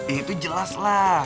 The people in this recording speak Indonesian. itu jelas lah